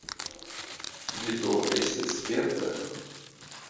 Vi do estas sperta?